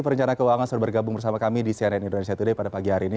perencana keuangan sudah bergabung bersama kami di cnn indonesia today pada pagi hari ini